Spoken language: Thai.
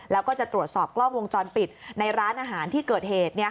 แล้วก็จะตรวจสอบกล้องวงจรปิดในร้านอาหารที่เกิดเหตุ